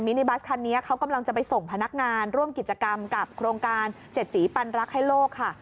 นิบัสคันนี้เขากำลังจะไปส่งพนักงานร่วมกิจกรรมกับโครงการ๗สีปันรักให้โลกค่ะ